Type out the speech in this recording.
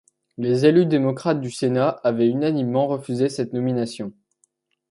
Les élus démocrates du Sénat avaient unanimement refusé cette nomination.